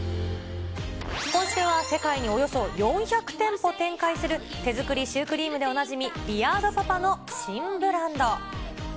今週は世界におよそ４００店舗展開する手作りシュークリームでおなじみ、ビアードパパの新ブランド。